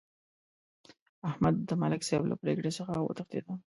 احمد د ملک صاحب له پرېکړې څخه وتښتېدا.